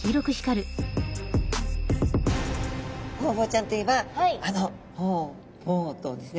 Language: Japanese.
ホウボウちゃんといえばあの「ホーボー」とですね